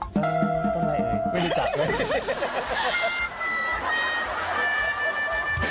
ต้นไร่ไม่รู้จักเลย